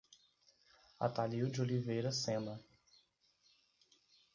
Atalio de Oliveira Sena